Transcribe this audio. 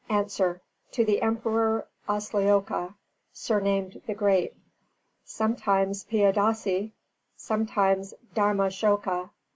_ A. To the Emperor Ashoka, surnamed the Great, sometimes Piyadāsi, sometimes Dharmāshoka.